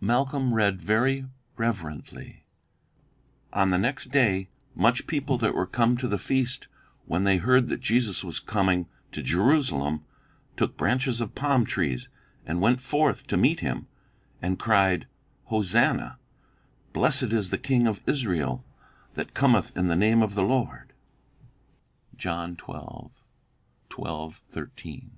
Malcolm read very reverently: "'On the next day, much people that were come to the feast, when they heard that Jesus was coming to Jerusalem, took branches of palm trees, and went forth to meet him, and cried, Hosanna; Blessed is the King of Israel that cometh in the name of the Lord.'" John xii. 12, 13.